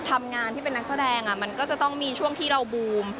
ทำงานที่เป็นนักแสดงมันก็จะต้องมีช่วงที่เราบูม